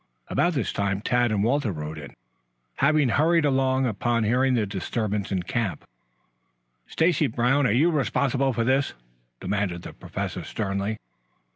About this time Tad and Walter rode in, having hurried along upon hearing the disturbance in camp. "Stacy Brown, are you responsible for this?" demanded the Professor sternly.